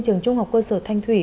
trường trung học cơ sở thanh thủy